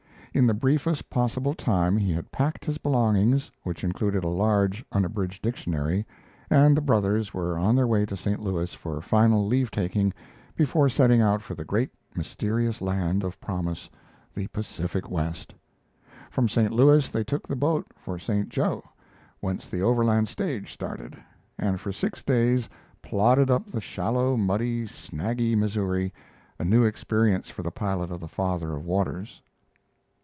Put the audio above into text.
In the briefest possible time he had packed his belongings, which included a large unabridged dictionary, and the brothers were on their way to St. Louis for final leave taking before setting out for the great mysterious land of promise the Pacific West. From St. Louis they took the boat for St. Jo, whence the Overland stage started, and for six days "plodded" up the shallow, muddy, snaggy Missouri, a new experience for the pilot of the Father of Waters.